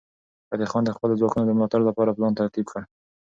فتح خان د خپلو ځواکونو د ملاتړ لپاره پلان ترتیب کړ.